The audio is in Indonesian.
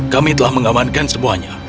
kami telah mengamankan semuanya